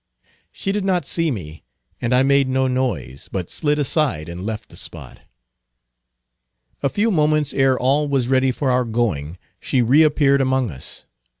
She did not see me, and I made no noise, but slid aside, and left the spot. A few moments ere all was ready for our going, she reappeared among us.